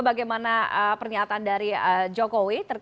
bagaimana pernyataan dari jokowi